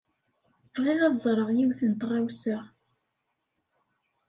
Bɣiɣ ad teẓreḍ yiwet n tɣawsa.